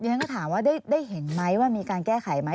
แล้วก็เราก็ถามว่าได้เห็นไหมว่ามีการแก้ไขไหม